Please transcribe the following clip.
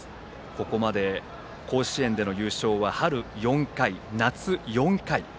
ここまで甲子園での優勝は春４回、夏４回。